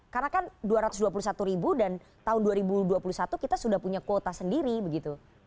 karena kan dua ratus dua puluh satu ribu dan tahun dua ribu dua puluh satu kita sudah punya kuota sendiri begitu